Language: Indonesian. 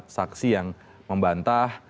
saksi yang membantah